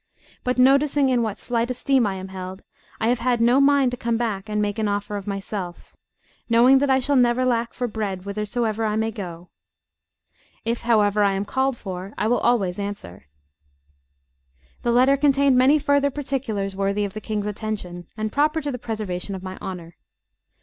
But noticing in what slight esteem I am held I have had no mind to come back and make an offer of myself, knowing that I shall never lack for bread whithersoever I may go. If, however, I am called for, I will always answer." The letter contained many further particulars worthy of the King's attention, and proper to the preservation of my honour.